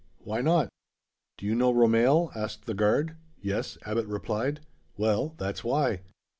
"Why not?" "Do you know Romehl?" asked the guard. "Yes," Abbot replied. "Well, that's why."